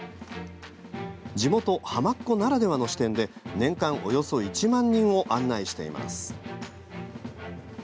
地元、ハマっ子ならではの視点で年間およそ１万人を案内しています。